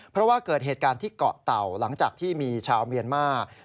เพราะว่าเกิดเหตุการณ์ที่เกาะเต่าหลังจากที่มีชาวเมียนมาร์